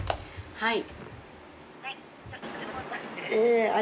はい。